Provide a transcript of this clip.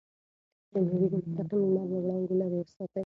تاسو مېوې د مستقیم لمر له وړانګو لرې وساتئ.